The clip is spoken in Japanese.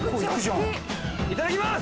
いただきます！